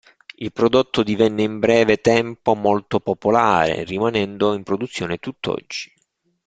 Il prodotto divenne in breve tempo molto popolare, rimanendo in produzione tutt'oggi.